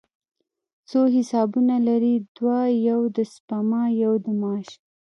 څو حسابونه لرئ؟ دوه، یو د سپما، یو د معاش